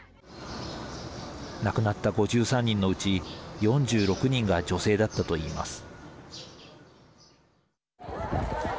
亡くなった５３人のうち４６人が女性だったといいます。